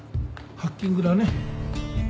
ハッキングだね。